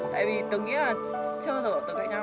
tại vì tưởng nghĩa là chưa rỡ tụi cãi nhau